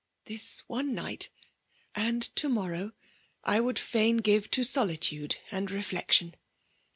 ^ This one night, and to morrow, I would fain give, to solitude and reflection.